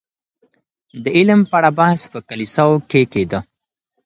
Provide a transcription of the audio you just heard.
د علم په اړه بحث په کليساوو کي کيده.